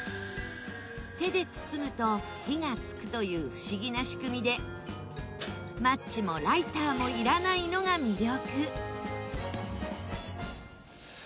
手で包むと火がつくという不思議な仕組みでマッチもライターもいらないのが魅力。